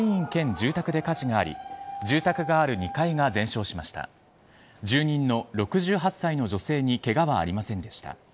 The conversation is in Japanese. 住人の６８歳の女性にケガはありませんでした。